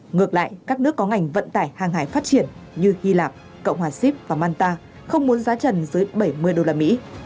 ngược lại các nước có ngành vận tải hàng hải phát triển như hy lạp cộng hòa sip và manta không muốn giá trần dưới bảy mươi đô la mỹ